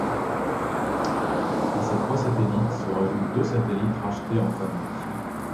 À ces trois satellites se rajoutent deux satellites rachetés en fin de vie.